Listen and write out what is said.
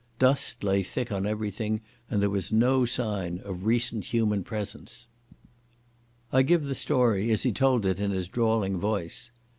Dust lay thick on everything, and there was no sign of recent human presence. I give the story as he told it in his drawling voice.